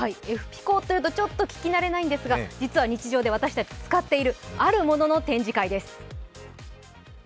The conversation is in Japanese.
エフピコというとちょっと聞き慣れないんですが実は日常で私たち使っている、あるものの展示会です。